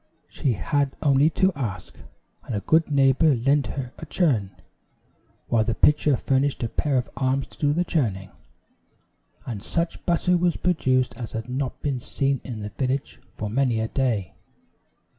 She had only to ask, and a good neighbor lent her a churn, while the pitcher furnished a pair of arms to do the churning, and such butter was produced as had not been seen in the village for many a day.